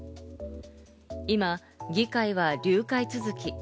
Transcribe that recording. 今、議会は流会続き。